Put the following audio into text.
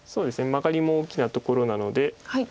マガリも大きなところなので。